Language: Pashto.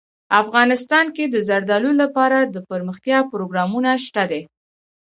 افغانستان کې د زردالو لپاره دپرمختیا پروګرامونه شته دي.